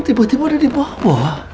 tiba tiba ada di bawah